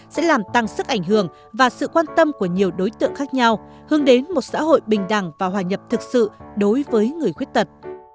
sẽ làm tăng sức ảnh hưởng và sự quan tâm của nhiều đối tượng khác nhau hướng đến một xã hội bình đẳng và hòa nhập thực sự đối với người khuyết tật